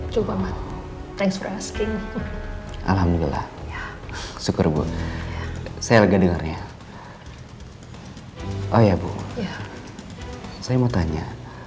cukup amat thanks for asking alhamdulillah syukur saya lega dengarnya oh iya bu saya mau tanya